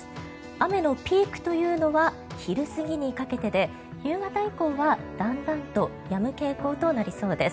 雨のピークというのは昼過ぎにかけてで夕方以降はだんだんとやむ傾向となりそうです。